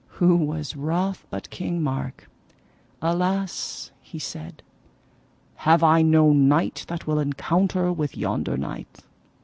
Who was wroth but King Mark! Alas, he said, have I no knight that will encounter with yonder knight?